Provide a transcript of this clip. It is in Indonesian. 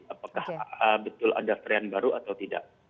apakah betul ada varian baru atau tidak